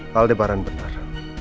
hal deparan benar